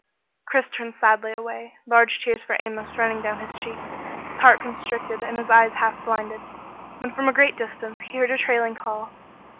Chris turned sadly away, large tears for Amos running down his cheeks, his heart constricted and his eyes half blinded, when from a great distance, he heard a trailing call.